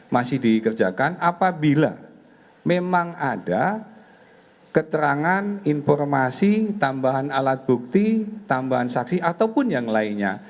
masih dikerjakan apabila memang ada keterangan informasi tambahan alat bukti tambahan saksi ataupun yang lainnya